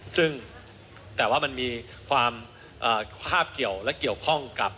ซึ่งแต่ว่ามันมีความคาบเกี่ยวและเกี่ยวข้องกับ